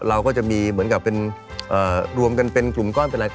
เราก็จะมีเหมือนกับเป็นรวมกันเป็นกลุ่มก้อนเป็นอะไร